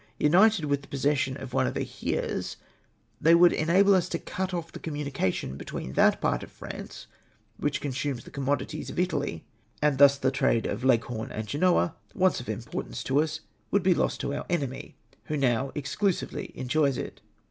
United with the possession of one of the Hieres, they would enable us to cut off the communi cation between that part of France which consumes the commodities of Italy, and thus the trade of Leghorn and Grenoa — once of importance to us — would be lost to our enemy, who now exclusively enjoys it.